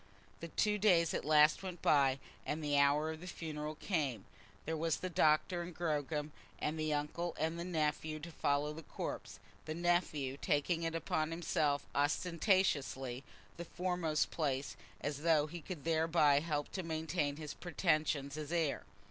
The two days at last went by, and the hour of the funeral came. There was the doctor and Gogram, and the uncle and the nephew, to follow the corpse, the nephew taking upon himself ostentatiously the foremost place, as though he could thereby help to maintain his pretensions as heir.